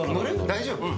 大丈夫？